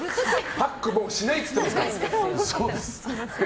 パックしないって言ってます